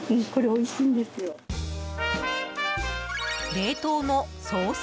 冷凍のソース